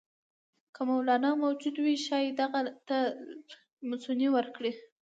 که مولنا موجود وي ښايي دغه ته لمسونې وکړي.